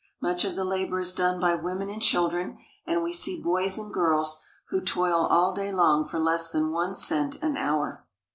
Much of the labor is done by women and children, and we see boys and girls who toil all day long for less than one cent an hour.